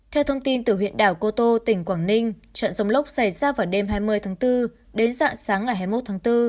theo thông tin từ huyện đảo cô tô tỉnh quảng ninh trận rồng lốc xảy ra vào đêm hai mươi tháng bốn đến dạng sáng ngày hai mươi một tháng bốn